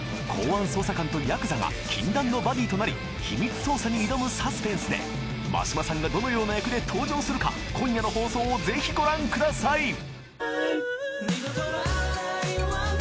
公安捜査官とヤクザが禁断のバディとなり秘密捜査に挑むサスペンスで眞島さんがどのような役で登場するか今夜の放送を是非ご覧ください！